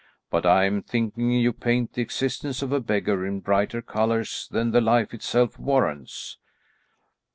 But I'm thinking you paint the existence of a beggar in brighter colours than the life itself warrants."